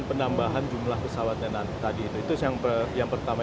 penambahan jumlah pesawat yang tadi itu itu yang pertama